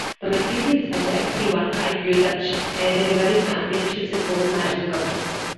Domestically, with Ajax, he won five Dutch Eredivisie Championships and four national cups.